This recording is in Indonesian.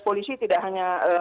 polisi tidak hanya